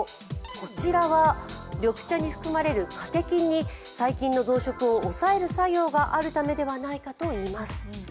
こちらは緑茶に含まれるカテキンに細菌の増殖を抑える作用があるのではないかといいます。